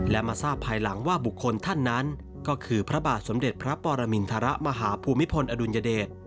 และมาทราบภายหลังว่าบุคคลท่านนั้นก็คือพระบาทสมเด็จพระปรมินทรมาหาภูมิพลอดุลยเดช